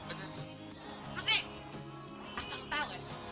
terus nih asal kau tahu ya